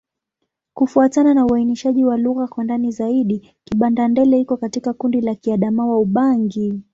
Kufuatana na uainishaji wa lugha kwa ndani zaidi, Kibanda-Ndele iko katika kundi la Kiadamawa-Ubangi.